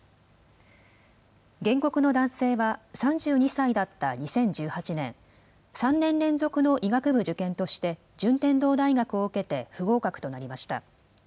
原告の男性は、３２歳だった２０１８年、３年連続の医学部受験として順天堂大学を受けて不合格となりました。